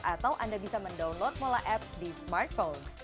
atau anda bisa mendownload molaapps di smartphone